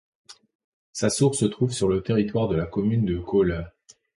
Sa source se trouve sur le territoire de la commune de Coole.